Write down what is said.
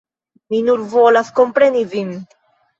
Mi nur volas kompreni vin.